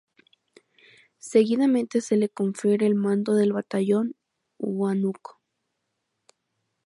Seguidamente se le confiere el mando del batallón Huánuco.